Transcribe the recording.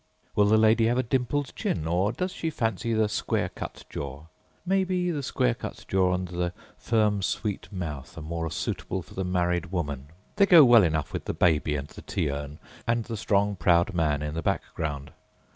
Will the lady have a dimpled chin, or does she fancy the square cut jaw? Maybe the square cut jaw and the firm, sweet mouth are more suitable for the married woman. They go well enough with the baby and the tea urn, and the strong, proud man in the background.